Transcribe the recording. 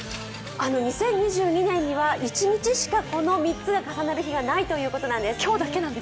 ２０２２年には１日しかこの３つが重なる日がないそうなんです。